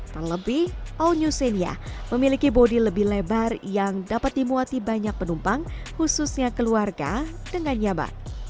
terlebih all new xenia memiliki bodi lebih lebar yang dapat dimuati banyak penumpang khususnya keluarga dengan nyaman